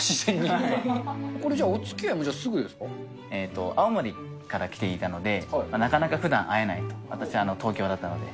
これじゃあ、青森から来ていたので、なかなかふだん会えない、私、東京だったので。